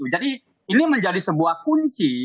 jadi ini menjadi sebuah kunci